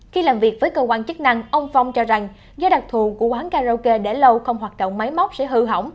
khi làm việc với cơ quan chức năng ông phong cho rằng do đặc thù của quán karaoke để lâu không hoạt động máy móc sẽ hư hỏng